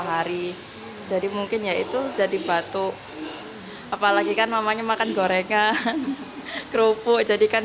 hari jadi mungkin yaitu jadi batuk apalagi kan mamanya makan gorengan kerupuk jadikan